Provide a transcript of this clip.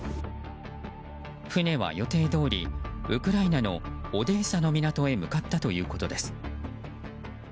船は予定どおりウクライナのオデーサの港へ向かったということです。